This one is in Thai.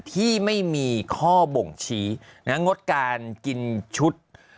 ที่ไม่มีข้อบ่งชี้งดการกินชุด